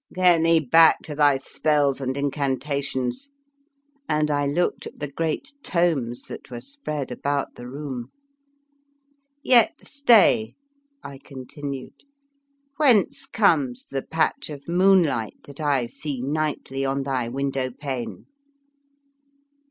" Get thee back to thy spells and incantations, '' and I looked at the great tomes that were spread about the S3 The Fearsome Island room. "Yet stay," I continued: " whence comes the patch of moon light that I see nightly on thy win dow pane?